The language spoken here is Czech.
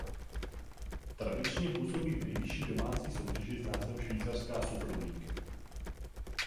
Tradičně působí v nejvyšší domácí soutěži s názvem Švýcarská Super League.